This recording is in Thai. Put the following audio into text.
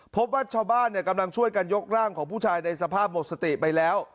พบว่าชาวบ้านกำลังช่วยกันยกร่างของผู้ชายในสภาพหมดสติไปแล้ว